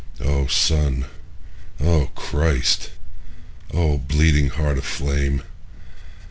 O Sun, O Christ, O bleeding Heart of flame!